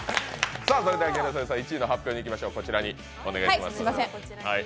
それではギャル曽根さん１位の発表にいきましょう。